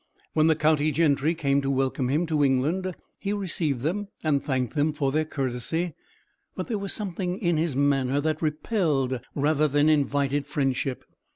When the county gentry came to welcome him to England, he received them, and thanked them for their courtesy. But there was something in his manner that repelled rather than invited friendship.